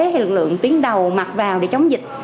hay lực lượng tiến đầu mặc vào để chống dịch